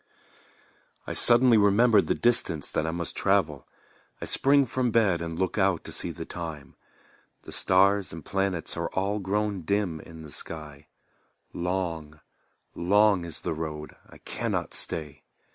I suddenly remember the distance that I must travel; I spring from bed and look out to see the time. The stars and planets are all grown dim in the sky; Long, long is the road; I cannot stay.